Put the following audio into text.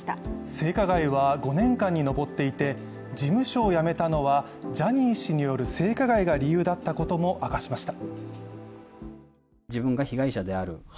性加害は５年間に上っていて事務所をやめたのはジャニー氏による性加害が理由だったことも明かしました。